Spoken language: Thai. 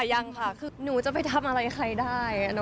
ยังค่ะคือหนูจะไปทำอะไรใครได้